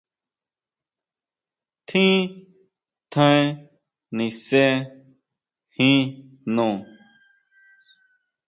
Tjín tjaen nise jin jno.